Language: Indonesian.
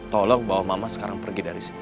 tolong bawa mama sekarang pergi dari sini